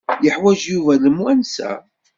Yeḥwaj Yuba lemwansa?